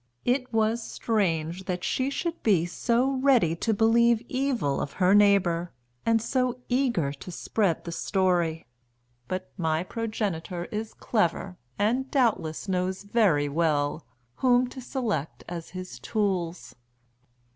It was strange that she should be so ready to believe evil of her neighbour, and so eager to spread the story. But my progenitor is clever, and doubtless knows very well, whom to select as his tools.